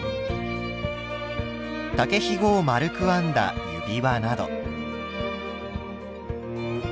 竹ひごを丸く編んだ指輪など。